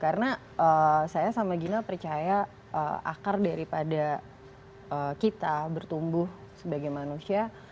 karena saya sama gina percaya akar daripada kita bertumbuh sebagai manusia